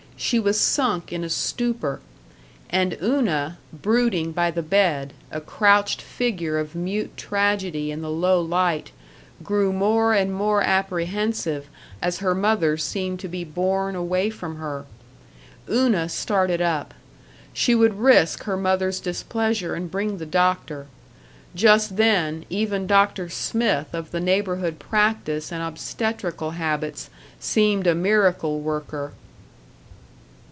She was sunk in a stupor. And Una, brooding by the bed, a crouched figure of mute tragedy in the low light, grew more and more apprehensive as her mother seemed to be borne away from her. Una started up. She would risk her mother's displeasure and bring the doctor. Just then, even Doctor Smyth of the neighborhood practice and obstetrical habits seemed a miracle worker.